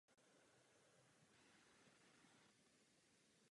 Pro odlišení od původní říše Ťin jeho stát nazvali čínští historici Pozdní Ťin.